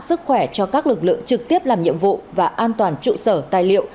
sức khỏe cho các lực lượng trực tiếp làm nhiệm vụ và an toàn trụ sở tài liệu